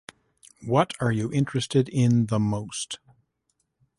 What are you interested in the most?